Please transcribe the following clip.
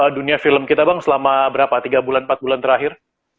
dunia film kita bang selama berapa tiga bulan empat bulan terakhir